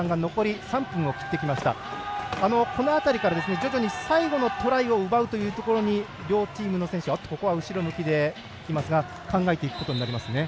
この辺りから徐々に最後のトライを奪うというところに両チームの選手考えていくことになりますね。